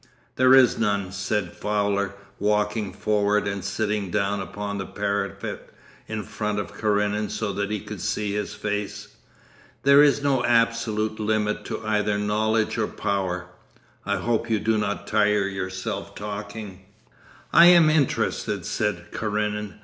'There is none,' said Fowler, walking forward and sitting down upon the parapet in front of Karenin so that he could see his face. 'There is no absolute limit to either knowledge or power.... I hope you do not tire yourself talking.' 'I am interested,' said Karenin.